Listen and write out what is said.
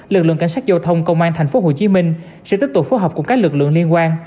lực lượng cảnh sát giao thông công an tp hcm sẽ tiếp tục phối hợp cùng các lực lượng liên quan